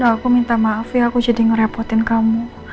aku minta maaf ya aku jadi ngerepotin kamu